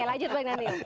oke lanjut pak daniel